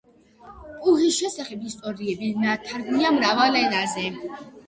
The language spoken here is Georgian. პუჰის შესახებ ისტორიები ნათარგმნია მრავალ ენაზე.